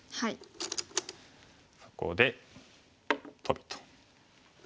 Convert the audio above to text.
そこでトビと。